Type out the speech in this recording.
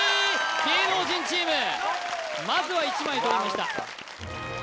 芸能人チームまずは１枚とりました